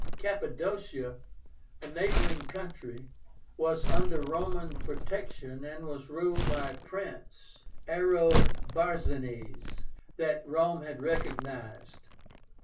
Cappadocia, a neighboring country, was under Roman protection, and was ruled by a prince, ARIOBARZÁNES, that Rome had recognized.